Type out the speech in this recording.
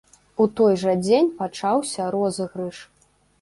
У той жа дзень пачаўся розыгрыш.